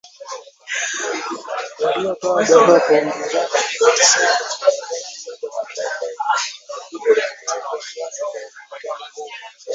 Walitoa barua kwa upinzani wakisema wanahitaji muda kujiandaa ili kuhakikisha kunakuwepo Amani kwenye mkutano huo.